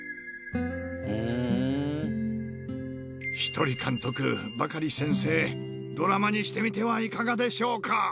ひとり監督、バカリ先生、ドラマにしてみてはいかがでしょうか。